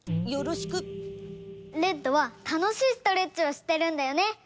レッドはたのしいストレッチをしってるんだよね。